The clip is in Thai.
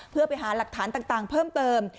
เพื่อไปหาหลักฐานต่างเพิ่มเติม